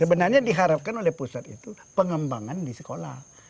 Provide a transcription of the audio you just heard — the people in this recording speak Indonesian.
sebenarnya diharapkan oleh pusat itu pengembangan di sekolah